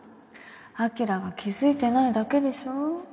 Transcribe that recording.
晶が気付いてないだけでしょ